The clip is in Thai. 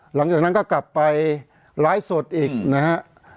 หลังจากนั้นก็กลับไปไลฟ์สดอีกนะฮะ